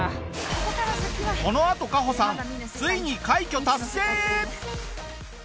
このあとカホさんついに快挙達成！